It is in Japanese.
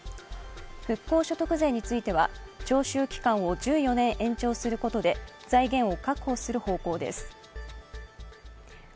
復興所得税については徴収期間を１４年延長することで財源を確保する方針です。